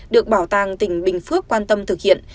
được bảo tàng tỉnh bình phước quan tâm thực hiện